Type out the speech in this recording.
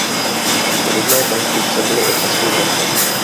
Podobné konstrukce byly ocasní plochy.